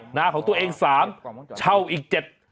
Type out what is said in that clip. หน้าของตัวเองสามเช่าอีกเจ็ด